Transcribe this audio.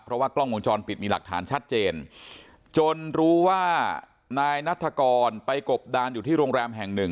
เพราะว่ากล้องวงจรปิดมีหลักฐานชัดเจนจนรู้ว่านายนัฐกรไปกบดานอยู่ที่โรงแรมแห่งหนึ่ง